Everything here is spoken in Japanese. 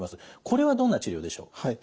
これはどんな治療でしょう？